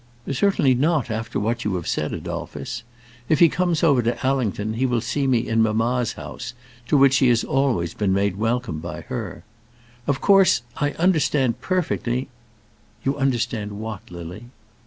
"Certainly not, after what you have said, Adolphus. If he comes over to Allington, he will see me in mamma's house, to which he has always been made welcome by her. Of course I understand perfectly " "You understand what, Lily?"